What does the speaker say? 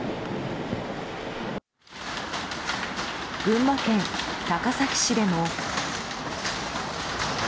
群馬県高崎市でも。